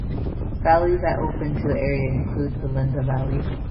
Valleys that open to the area include the Linda Valley.